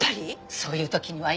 そういう時にはいい？